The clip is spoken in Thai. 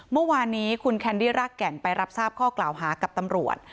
เมื่อวานนี้คุณแคนดี้รากแก่นไปรับทราบข้อกล่าวหากับตำรวจ